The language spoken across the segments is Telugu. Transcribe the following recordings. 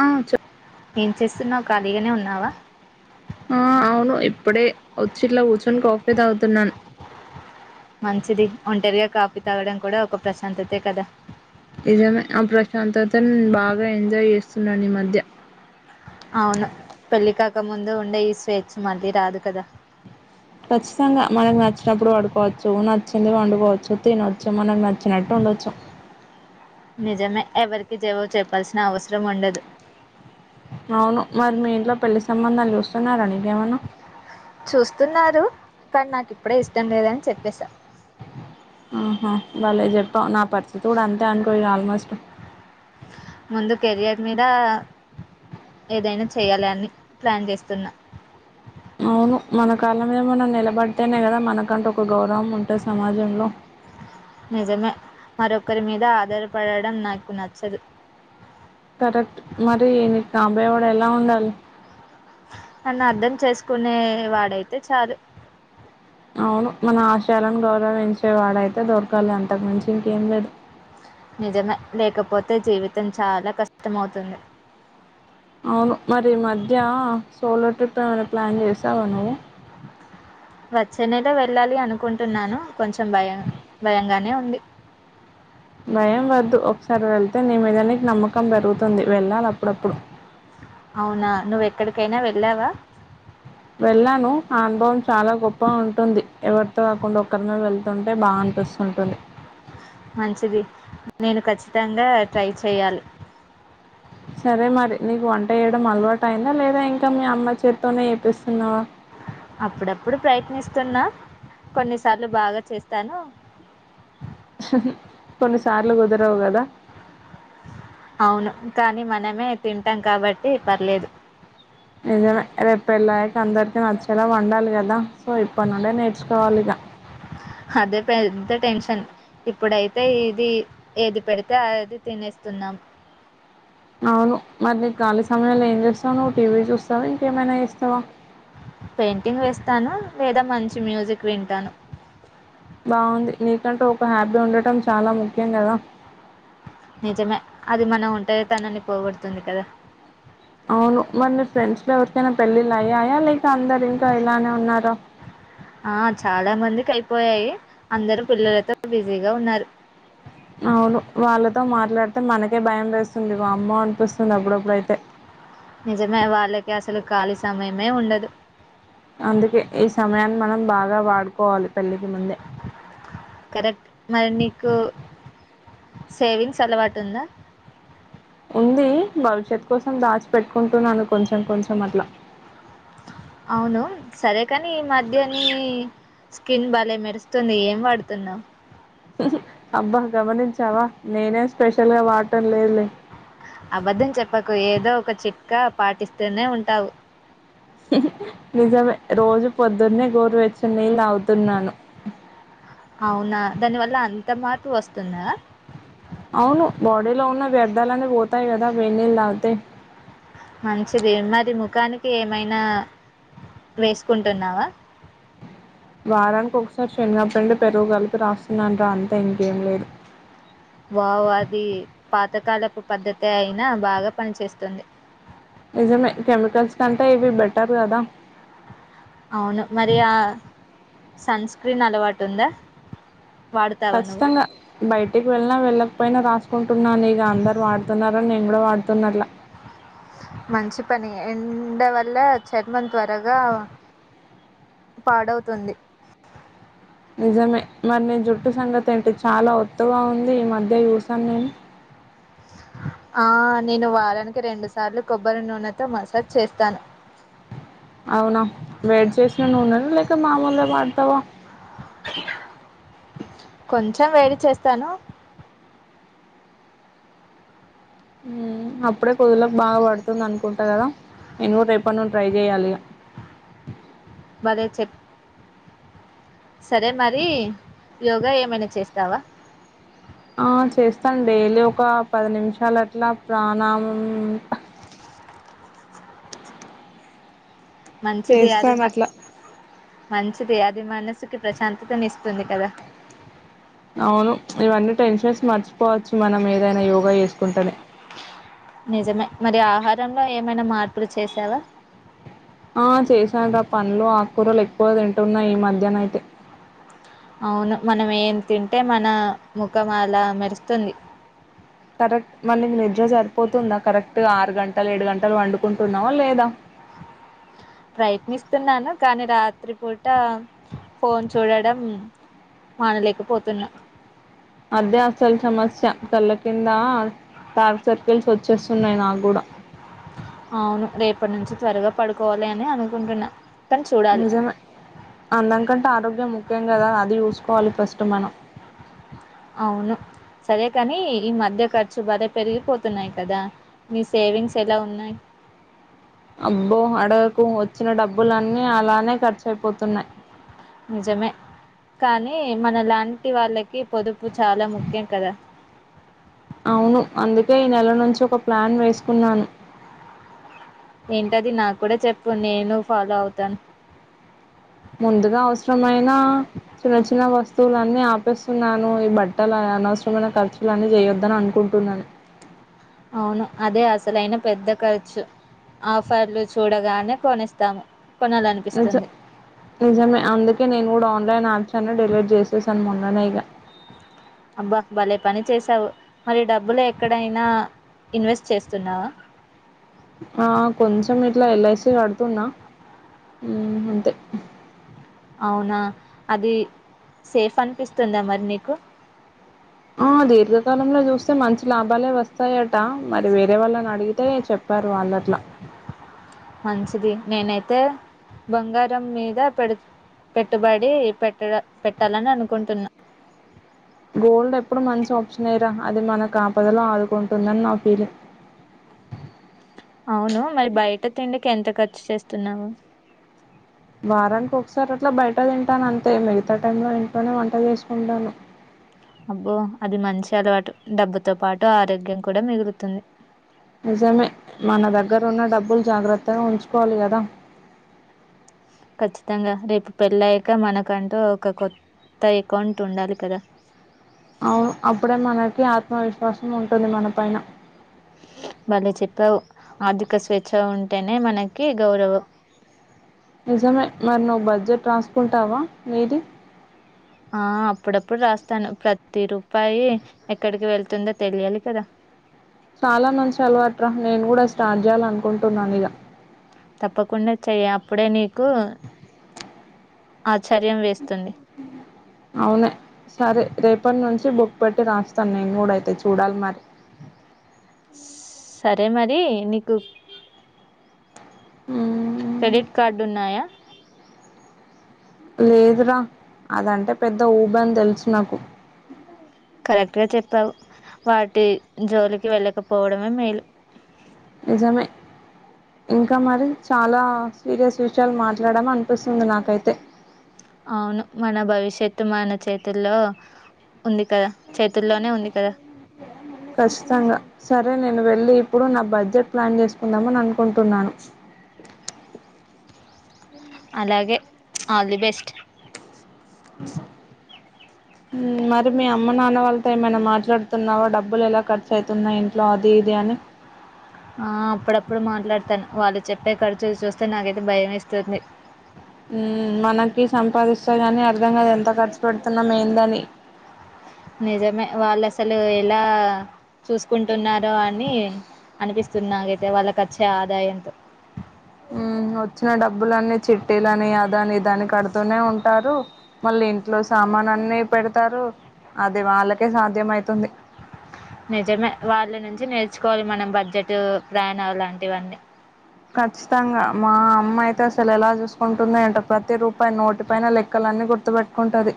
ఆ చె ఎం చేస్తున్నావు ఖాళీగానే ఉన్నావా ఆ అవును ఇప్పుడే వచ్చి ఇట్లా కూర్చొని కాఫే తాగుతున్నాను మంచిది ఒంటరిగా కాఫీ తాగడం కూడా ఒక ప్రశాంతతే కదా నిజమే ఆ ప్రశాంతతను బాగా ఎంజాయ్ చేస్తున్నాను ఈ మధ్య అవును పెళ్లి కాక ముందు ఉండే ఈ స్వేచ్ఛ మళ్ళీ రాదు కదా ఖచ్చితంగా మనకు నచ్చినప్పుడు వాడుకోవచ్చు నచ్చింది వండుకోవచ్చు తినవచ్చు మనకు నచ్చినట్టు ఉండొచ్చు నిజమే ఎవరికి జేవో చెప్పాల్సిన అవసరం ఉండదు అవును మరి మీ ఇంట్లో పెళ్లి సంబంధాలు చూస్తున్నారా నీకేమన్న చూస్తున్నారు కానీ నాకు ఇప్పుడే ఇష్టం లేదని చెప్పేసా ఆహా భలే చెప్పావ్ నా పరిస్థితి కూడా అంతే అనుకోయి ఆల్మోస్ట్ ముందు కెరియర్ మీద ఏదైనా చేయాలి అని ప్లాన్ చేస్తున్నా అవును మన కాళ్ళ మీద మనం నిలబడితేనే కదా మనకంటూ ఒక గౌరవం ఉంటుంది సమాజంలో నిజమే మరొకరి మీద ఆధారపడడం నాకు నచ్చదు. కాబోయే వాడు ఎలా ఉండాలి. నన్నీ అర్థం చేసుకునే వాడైతే చాలు అవును మన ఆశయాలను గౌరవించేవాడైతే దొరకాలి అంతకు మించి ఇంకేం లేదు. నిజమే లేకపోతే జీవితం చాలా కష్టంమవుతుంది. అవును మరి ఈ మధ్య సోలో ట్రిప్ ఏమైనా ప్లాన్ చేసావ నువ్వు వచ్చేనేల వెళ్ళాలి అనుకుంటున్నాను కొంచెం భయం భయంగానే ఉంది. భయం వద్దు ఒకసారి వెళ్తే నీ మీద నీకి నమ్మకం పెరుగుతుంది వెళ్ళాలప్పుడప్పుడు అవునా నువ్వెక్కడికైనా వెళ్ళావా వెళ్ళాను ఆ అనుభవం చాలా గొప్పగా ఉంటుంది ఎవరితో కాకుండా ఒక్కరిమే వెళ్తుంటే బాగా అనిపిస్తుంటుంది. మంచిది నేను ఖచ్చితంగా ట్రై చేయాలి. సరే మరి నీకు వంట వేయడం అలవాటు అయిందా లేదా ఇంకా మీ అమ్మ చేత్తోనే చేపిస్తున్నావా అప్పుడప్పుడు ప్రయత్నిస్తున్నా కొన్నిసార్లు బాగా చేస్తాను. కొన్నిసార్లు కుదరవు కదా అవును కానీ మనమే తింటాం కాబట్టి పర్లేదు. నిజమే రేపు పెళ్లయ్యాక అందరికి నచ్చేలా వండాలి కదా సో ఇప్పటి నూన్ నే నేర్చుకోవాలి ఇగ అదే పెద్ద టెన్షన్ ఇప్పుడైతే ఇది ఏది పెడితే అదైతే తినేస్తున్నాం. అవును మరి నీ ఖాళీ సమయంలో ఏం చేస్తావు నువ్వు టీవీ చూస్తావా ఇంకేమైనా చేస్తావా పెయింటింగ్ వేస్తాను లేదా మంచి మ్యూజిక్ వింటాను. బాగుంది నీకంటే ఒక హ్యాబీ ఉండటం చాలా ముఖ్యం కదా నిజమే అది మన ఒంటరితనాన్ని పోగడుతుంది కదా అవును మరీ మీ ఫ్రెండ్స్ లో ఎవరికైనా పెళ్ళిల్లు అయ్యాయా లేక అందరు ఇంకా ఇలానే ఉన్నార ఆ చాలా మంది కయిపోయాయి అందరూ పిల్లలతో బిజీగా ఉన్నారు. అవును వాళ్ళతో మాట్లాడితే మనకే భయం వేస్తుంది వామ్మో అనిపిస్తుంది అప్పుడప్పుడైతే నిజమే వాళ్ళకి అసలు ఖాళీ సమయమే ఉండదు. అందుకే ఈ సమయాన్ని మనం బాగా వాడుకో కరెక్ట్ మరి నీకు సేవింగ్స్ అలవాటు ఉందా ఉంది భవిష్యత్ కోసం దాచిపెట్టుకుంటున్నాను కొంచెం కొంచెం అట్లా అవును సరే కానీ ఈ మధ్య నీ స్కిన్ బలే మెరుస్తుంది ఏం వాడుతున్నావు. అబ్బా గమనించావా నేనే స్పెషల్ గా వాడటం లేదులే అబద్ధం చెప్పకు ఏదో ఒక చిట్కా పాటిస్తూనే ఉంటావు. నిజమే రోజు పొద్దున్నే గోరువేచ్చని నీళ్ళు తాగుతున్నాను. అవునా దాని వల్ల అన్ అంత మార్పు వస్తుందా అవును బాడీలో ఉన్న వ్యర్థాలన్నీ పోతాయి కదా వెన్నెళ్ళు తాగితే మంచిది మరి ముఖానికి ఏమైనా వేసుకుంటున్నావా వారానికి ఒకసారి శనగ పిండి పెరుగు కలిపి రాస్తున్నాను రా అంతే ఇంకేం లేదు. వావా్ అది పాతకాలపు పద్ధతే అయినా బాగా పనిచేస్తుంది. నిజమే కెమికల్స్ కంటే ఇవి బెటర్ కదా అవును మరి ఆ సన్ స్క్రీన్ అలవాటు ఉందా వాడుతావా నువ్వు ఖచ్చితంగా బయటికి వెళ్ళిన వెళ్ళ పోయిన రాసుకుంటున్నాను ఇక అందరు వాడుతున్నారని నేను కూడా వాడుతున్న అట్ల మంచి పని ఎండ వల్ల చర్మం త్వరగా పాడవుతుంది నిజమే మరి నే జుట్టు సంగతి ఏంటి చాలా ఒత్తుగా ఉంది ఈ మధ్య చూసాను నేను ఆ నేను వారానికి రెండు సార్లు కొబ్బరి నూనెతో మసాజ్ చేస్తాను అవునా వేడి చేసిన నూనె న లేక మామూలుగా వాడు తావ కొంచెం వేడి చేస్తాను అప్పుడే కుదులకు బాగా పడుతుంది అనుకుంటా కదా నేను రేపటి నుండి ట్రై చెయ్యాలి ఇగ వదే చెప్ సరే మరి యోగా ఏమైనా చేస్తావా ఆ చేస్తాను డైలీ ఒక పది నిమిషాలు అట్లా ప్రాణామం మంచిది అది చేస్తాను మా అట్లా మంచిది అది మనసుకి ప్రశాంత ను ఇస్తుంది కదా అవును ఇవన్నీ టెన్షన్స్ మర్చిపోవచ్చు మనం ఏదైనా యోగా చేసుకుంటేనే నిజమే మరి ఆహారంలో ఏమైనా మార్పులు చేసావా ఆ చేశాను రా పండ్లు ఆకుకూరలు ఎక్కువ తింటున్నా ఈ మధ్యన అయితే అవును మనం ఏం తింటే మన ముఖం అలా మెరుస్తుంది కరెక్ట్ మరి నీకు నిద్ర సరిపోతుందా కరెక్ట్ ఆరు గంటలు ఏడు గంటలు వండుకుంటున్నావా లేదా ప్రయత్నిస్తున్నాను కానీ రాత్రి పూట ఫోన్ చూడడం మానలేకపోతున్నా అదే అసలు సమస్య కళ్ళ కింద డార్క్ సర్కిల్స్ వచ్చేస్తున్నాయి నాకు కూడా అవును రేపు అప్పటి నుంచి త్వరగా పడుకోవాలి అని అనుకుంటున్నా కానీ చూడాలి నిజమే అందంకంటే ఆరోగ్యం ముఖ్యం కదా అది చూసుకోవాలి ఫస్ట్ మనం అవును సరే కానీ ఈ మధ్య ఖర్చు బాలే పెరిగిపోతున్నాయి కదా మీ సేవింగ్స్ ఎలా ఉన్నాయి అబ్బో అడగకు వచ్చిన డబ్బులన్నీ అలానే ఖర్చు అయిపోతున్నాయి నిజమే కానీ మన లాంటి వాళ్ళకి పొదుపు ప్పుకు చాలా ముఖ్యం కదా అవును అందుకే ఈ నెల నుంచి ఒక ప్లాన్ వేసుకున్నాను ఏంటది నాకు కూడా చెప్పు నేను ఫాలో అవుతాను ముందుగా అవసరమైన చిన్న చిన్న వస్తువులన్నీ ఆపేస్తున్నాను ఈ బట్టల అనవసరమైన ఖర్చులున్నీ చేయొద్దని అనుకుంటున్నాను అవును అదే అసలైన పెద్ద ఖర్చు ఆఫర్లు చూడగానే కొనేస్తాము నిజం కొనాలనిపిస్తుంది నిజమే అందుకే నేను కూడా ఆన్లైన్ యాప్స్ అన్ని డెలీట్ చేసేసాను మ అనేగ అబ్బ భలే పని చేసావు మరి డబ్బులు ఎక్కడైనా ఇన్వెస్ట్ చేస్తున్నావా ఆ కొంచెం ఇట్లా ఎల్ఐసి కడుతున్నా హ్మ్ అంతే అవున అది సేఫ్ అనిపిస్తుంద మరి నీకు ఆ దీర్ఘకాలంలో చూస్తే మంచి లాభాలే వస్తాయట మరి వేరే వాళ్ళ అడిగితే చెప్పారు వాళ్ళు అట్లా మంచిది నేనైతే బంగారం మీద పెడు పెట్టుబడి పెట్టడం పెట్టాలని అనుకుంటున్నా. గోల్డ్ ఎప్పుడు మంచి ఆప్షన్ నే రా అది మనకు ఆపదలో ఆదుకుంటుందని నా ఫీలింగ్ అవును మరి బయట తిండికి ఎంత ఖర్చు చేస్తున్నావో వారానికి ఒకసారి అట్లా బయట తింటాను అంతే మిగత టైంలో ఇంట్లోనే వంట చేసుకుంటాను అబ్బో అది మంచి అలవాటు డబ్బుతో పాటు ఆరోగ్యం కూడా మిగులుతుంది నిజమే మన దగ్గర ఉన్న డబ్బులు జాగ్రత్తగా ఉంచుకోవాలి గదా ఖచ్చితంగా రేపు పెళ్ళయ్యాక మనకంటూ ఒక కొత్త ఏకౌంట్ ఉండాలి కదా అవు అప్పుడే మనకి ఆత్మ విశ్వాసం ఉంటుంది. మన పైన భలే చెప్పావు ఆర్థిక స్వేచ్ఛ ఉంటేనే మనకి గౌరవం. నిజమే మరి నువ్వు బడ్జెట్ రాసుకుంటావా నీది ఆ అప్పుడప్పుడు రాస్తాను ప్రతి రూపాయి ఎక్కడికి వెళ్తుందో తెలియాలి కదా చాలా మంచి అలవాట్రా నేను కూడా స్టార్ట్ చేయాల అనుకుంటున్నాను ఇగ తప్పకుండా చెయ్ అప్పుడే నీకు అద్ అవును సరే రేపు అప్పటి నుంచి బుక్ పెట్టి రాస్తాను నేను కూడా అయితే చూడాలి మరి స్ సరే మరి నీకు హ్మ్ క్రెడిట్ కార్డు ఉన్నాయా లేదురా అదంటే పెద్ద ఊబ అని తెలుసు నాకు కరెక్టుగా చెప్పావు వాటి జోలికి వెళ్ళకపోవడమే మేలు నిజమే ఇంక మరి చాలా సీరియస్ విషయాలు మాట్లాడమ అనిపిస్తుంది నాకైతే అవును మన భవిష్యత్తు మన చేతుల్లో ఉంది కదా చేతుల్లోనే ఉంది కదా ఖచ్చితంగా సరే నేను వెళ్ళి ఇప్పుడు నా బడ్జెట్ ప్లాన్ చేసుకుందామని అనుకుంటున్నాను. అలాగే ఆల్ ది బెస్ట్ హ్మ్ మరి మీ అమ్మ నాన్న వాళ్ళతో ఏమైనా, మాట్లాడుతున్నావా, డబ్బులు ఎలా ఖర్చు అయి తున్నాయ్. ఇంట్లో అది ఇది అని. ఆ అప్పుడప్పుడు మాట్లాడతను వాళ్ళు చెప్పే ఖర్చులు చూస్తే నాకైతే భయం వేస్తుంది. ఊమ్ మనకి సంపాదిస్తే కాని అర్ధంగాదు. ఎంత ఖర్చు పెడుతున్నామేందని. నిజమే వాళ్ళు అసలు ఎలా చూసుకుంటున్నారో, అని అనిపిస్తున్నా నాకు అయితే వాళ్ళకు వచ్చే ఆదాయంతో. వచ్చిన డబ్బులన్ని చిట్టీలని అదని ఇదని కడుతూనే ఉంటారు. మళ్ళీ ఇంట్లో సామాన్ అన్ని పెడతారు. అది వాళ్ళకే సాధ్యం అయితుంది. నిజమే వాళ్ళ నుంచి నేర్చుకోవాలి. మనం బడ్జెట్ ప్రయాణం లాంటివన్నీ. ఖచ్చితంగా మా అమ్మ అయితే అసలు ఎలా చూసుకుంటుంది ఎంటో ప్రతి రూప ప నోటి పైన లెక్కలన్నీ గుర్తు పెట్టుకుంటది.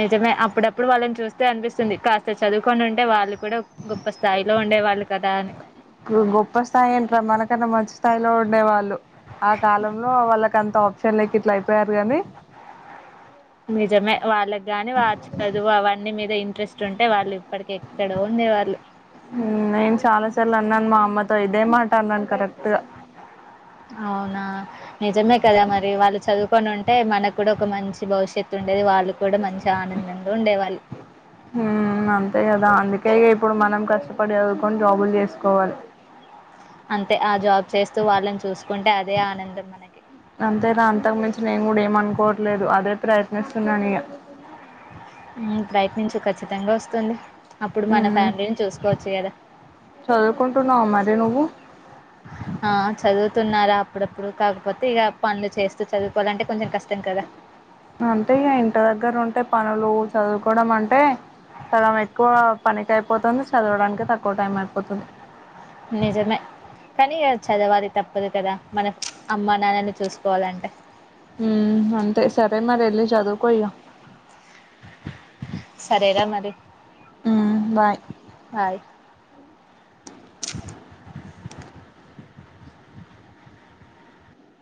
నిజమే అప్పుడప్పుడు వాళ్ళని చూస్తే అనిపిస్తుంది కాస్త చదుకొని ఉంటే వాళ్ళు కూడా గొప్ప స్థాయిలో ఉండేవాళ్ళు కదా అని గొప్ప స్థాయి ఏంట్రా మనకన్నా మంచి స్థాయిలో ఉండేవాళ్ళు ఆ కాలంలో వాళ్ళక అంత ఆప్షన్ చెన్నైకి ఇట్లా అయిపోయారు గానీ నిజమే వాళ్ళకిగాని వా చదువు అవన్నీ మీద ఇంట్రెస్ట్ ఉంటే వాళ్ళు ఇప్పటికి ఎక్కడో ఉండే వాళ్ళు నన్ మా అమ్మ స ఇదే మాట అ నను కరెక్ట్ టుగ అవునా నిజమే కదా మరి వాళ్ళు చదువుకొని ఉంటే మనకు కూడా ఒక మంచి భవిష్యత్తు ఉండేది వాళ్ళు కూడా మంచిగా ఆనందంగా ఉండేవాళ్ళు. మ్మ్ అంతే కదా అందుకే ఇప్పుడు మనం కష్ట పడి చదుకొని జాబులు చేసుకోవాలి అంతే ఆ జాబ్ చేస్తూ వాళ్ళని చూసుకుంటే అదే ఆనందం మనకి అంతే నా అంతకు మించి నేను కూడా ఏమ అనుకోవట్లేదు అదే ప్రయత్నిస్తున్నాను ఇగ ప్రయత్నించు ఖచ్చితంగా వస్తుంది అప్పుడు మన హ్మ్ ఫ్యామిలీని చూసుకోవచ్చు కదా చదువుకుంటున్నావ మరి నువ్వు ఆ చదువుతున్నారా అప్పుడప్పుడు కాకపోతే ఇగ పనులు చేస్తూ చదువుకోవాలంటే కొంచెం కష్టం కదా అంటే ఇగ ఇంటి దగ్గర ఉంటే పనులు చదువుకోవడం అంటే సగం ఎక్కువ పనికి అయిపోతుంది చదవడానికి తక్కువ టైం పోతది నిజమే కానీ చదవాలి తప్పదు కదా మన అమ్మా నాన్నని చూసుకోవాలంటే హ్మ్ అంతే సరే మరి వెళ్లి చదుకో ఇగ సరేరా మరి హ్మ్ బాయ్ బాయ్